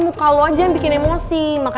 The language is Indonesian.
muka lu aja yang bikin emosi